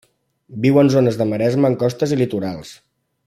Viu en zones de maresma en costes i litorals.